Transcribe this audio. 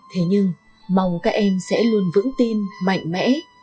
thế nhưng mong các em sẽ luôn vững tin mạnh mẽ